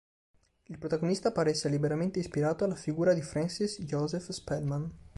Il protagonista pare sia liberamente ispirato alla figura di Francis Joseph Spellman.